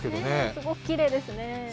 すごくきれいですね。